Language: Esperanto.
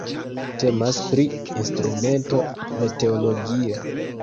Temas pri instrumento meteologia.